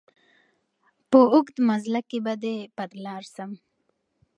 په اوږد مزله کي به دي پر لار سم